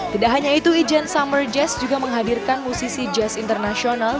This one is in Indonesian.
tidak hanya itu ijen summer jazz juga menghadirkan musisi jazz internasional